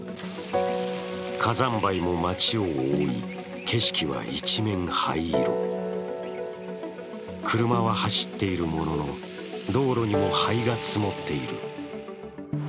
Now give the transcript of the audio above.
火山灰も町を覆い、景色は一面灰色車は走っているものの、道路にも灰が積もっている。